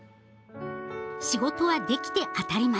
仕事はできて当たり前。